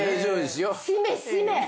しめしめ！